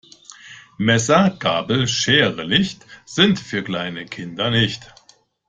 Messer, Gabel, Schere, Licht, sind für kleine Kinder nicht.